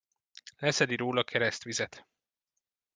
Leszedi róla keresztvizet.